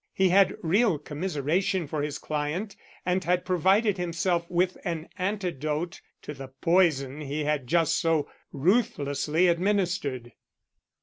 He had real commiseration for his client and had provided himself with an antidote to the poison he had just so ruthlessly administered.